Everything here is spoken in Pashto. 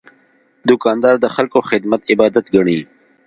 دوکاندار د خلکو خدمت عبادت ګڼي.